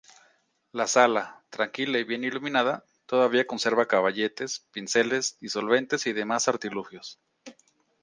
La sala, tranquila y bien iluminada, todavía conserva caballetes, pinceles, disolventes y demás artilugios.